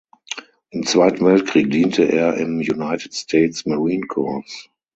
Im Zweiten Weltkrieg diente er im United States Marine Corps.